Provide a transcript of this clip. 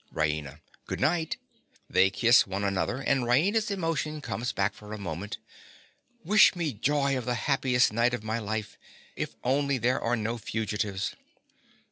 RAINA. Good night. (They kiss one another, and Raina's emotion comes back for a moment.) Wish me joy of the happiest night of my life—if only there are no fugitives.